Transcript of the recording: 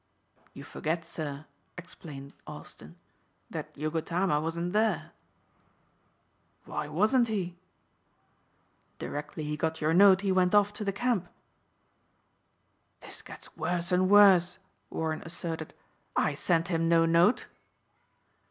"You forget, sir," explained Austin, "that Yogotama wasn't there." "Why wasn't he?" "Directly he got your note he went off to the camp." "This gets worse and worse," Warren asserted. "I sent him no note."